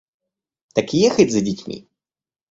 Так ехать за детьми?